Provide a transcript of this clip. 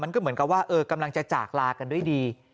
ก็เหมือนกับว่ากำลังจะจากลากันด้วยดี